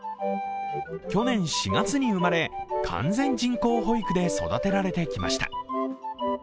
去年４月に生まれ完全人工哺育で育てられてきました。